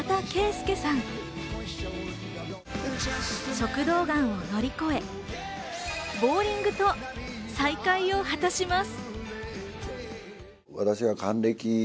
食道がんを乗り越え、ボウリングと再会を果たします。